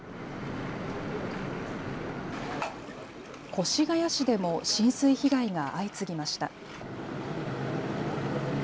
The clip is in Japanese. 越谷市でも浸水被害が相次ぎました。